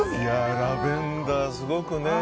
ラベンダー、すごくね。